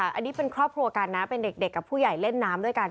อันนี้เป็นครอบครัวกันนะเป็นเด็กกับผู้ใหญ่เล่นน้ำด้วยกัน